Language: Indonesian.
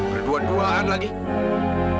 berdua duaan lagi hah